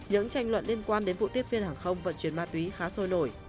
những tranh luận liên quan đến vụ tiếp viên hàng không vận chuyển ma túy khá sôi nổi